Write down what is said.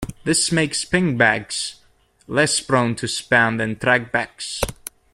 This makes pingbacks less prone to spam than trackbacks.